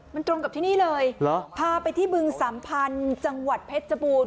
มันตรงกับที่นี่เลยเหรอพาไปที่บึงสัมพันธ์จังหวัดเพชรบูรณ